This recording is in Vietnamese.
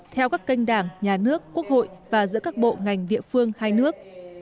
theo các kênh đảng nhà nước quốc hội và giữa các bộ ngành địa phương hai nước